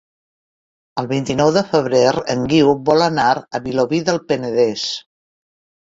El vint-i-nou de febrer en Guiu vol anar a Vilobí del Penedès.